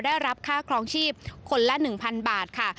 ได้รับค่าครองชีพคนละ๑๐๐๐บาทค่ะ